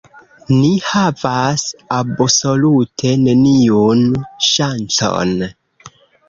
Ni havas absolute neniun ŝancon.